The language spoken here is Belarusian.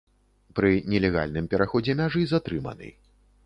Пры нелегальным пераходзе мяжы затрыманы.